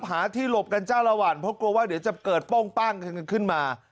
หาที่หลบกันจ้าละวันเพราะกลัวว่าเดี๋ยวจะเกิดโป้งปั้งขึ้นมา